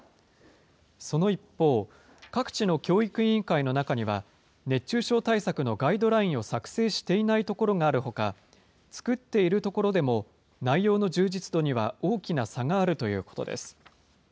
その一方、各地の教育委員会の中には、熱中症対策のガイドラインを作成していない所があるほか、作っているところでも内容の充実度には大きな差があるということです。